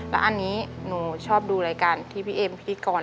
แล้วอันนี้หนูชอบดูรายการที่พี่เอ็มพิธีกร